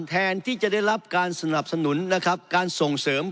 แทนที่จะได้รับการสนับสนุนนะครับการส่งเสริม